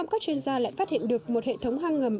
chúng ta lại phát hiện được một hệ thống hang ngầm